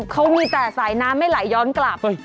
เขามีแต่สายน้ำไม่ไหลย้อนกลับ